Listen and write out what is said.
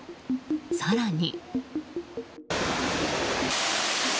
更に。